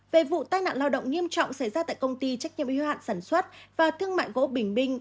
về vụ tai nạn lao động nghiêm trọng xảy ra tại công ty trách nhiệm yêu hạn sản xuất và thương mại gỗ bình minh